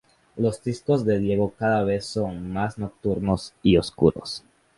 Los discos de Diego cada vez son más nocturnos y oscuros.